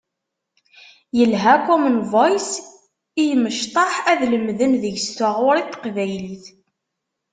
Yelha Common Voice i imecṭaḥ ad lemden deg-s taɣuri n teqbaylit.